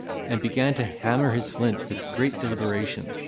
and began to hammer his flint with great deliberation.